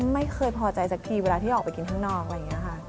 ไม่เคยพอใจสักทีเวลาที่ออกไปกินข้างนอก